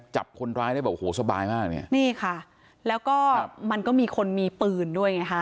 จับคนร้ายได้บอกโอ้โหสบายมากเนี่ยนี่ค่ะแล้วก็มันก็มีคนมีปืนด้วยไงฮะ